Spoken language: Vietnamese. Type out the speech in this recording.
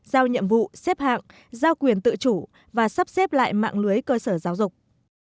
giao nhiệm vụ xếp hạng giao quyền tự chủ và sắp xếp lại mạng lưới cơ sở giáo dục